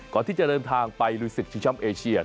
ก่อนที่จะเดินทางไปลุยศึกชิงช้ำเอเชีย